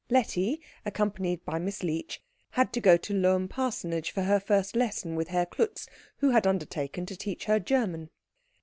Letty, accompanied by Miss Leech, had to go to Lohm parsonage for her first lesson with Herr Klutz, who had undertaken to teach her German.